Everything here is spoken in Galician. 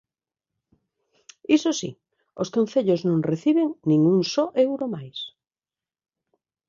Iso si, os concellos non reciben nin un só euro máis.